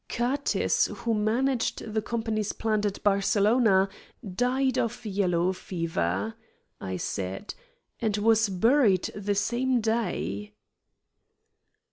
"Curtis, who managed the company's plant at Barcelona, died of yellow fever," I said, "and was buried the same day."